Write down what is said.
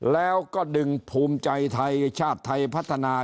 แล้วก็ดึงภูมิใจไทยชาติไทยพัฒนา